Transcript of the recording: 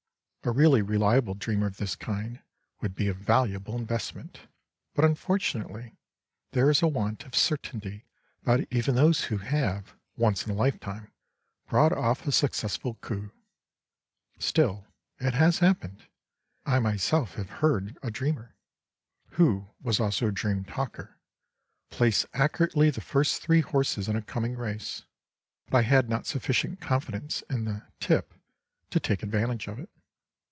A really reliable dreamer of this kind would be a valuable investment; but, unfortunately, there is a want of certainty about even those who have, once in a lifetime, brought off a successful coup. Still, it has happened. I myself have heard a dreamer who was also a dream talker place accurately the three first horses in a coming race; but I had not sufficient confidence in the "tip" to take advantage of it.